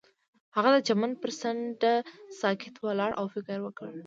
هغه د چمن پر څنډه ساکت ولاړ او فکر وکړ.